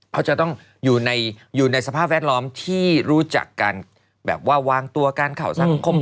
เขาจะต้องอยู่ในสภาพแวดล้อมที่รู้จักกันแบบว่าวางตัวการข่าวสังคม